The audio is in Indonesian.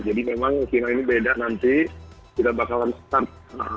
jadi memang kira kira ini beda nanti kita bakalan start